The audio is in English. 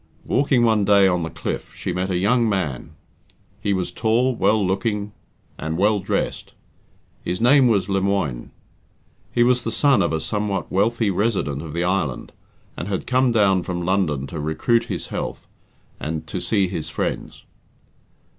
Walking one day on the cliff, she met a young man. He was tall, well looking, and well dressed. His name was Lemoine; he was the son of a somewhat wealthy resident of the island, and had come down from London to recruit his health and to see his friends.